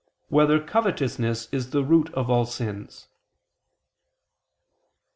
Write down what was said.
1] Whether Covetousness Is the Root of All Sins?